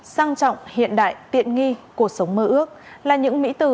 sang trọng hiện đại tiện nghi cuộc sống mơ ước là những mỹ từ